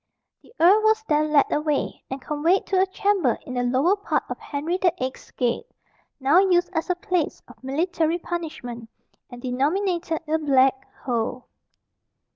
The earl was then led away, and conveyed to a chamber in the lower part of Henry the Eighth's gate, now used as a place of military punishment, and denominated the "black hole."